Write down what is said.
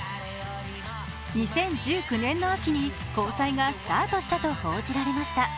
２０１９年の秋に交際がスタートしたと報じられました。